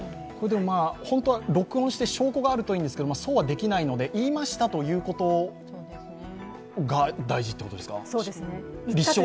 本当は録音して証拠があるといいんですけどそうはできないので言いましたということが大事ということですか。